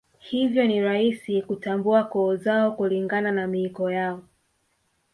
Hivyo ni rahisi kutambua koo zao kulingana na miiko yao